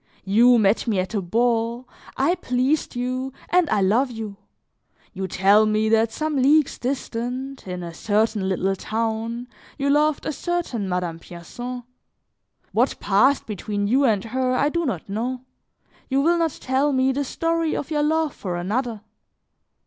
You met me at a ball, I pleased you and I love you; you tell me that some leagues distant, in a certain little town you loved a certain Madame Pierson; what passed between you and her I do not know. You will not tell me the story of your love for another!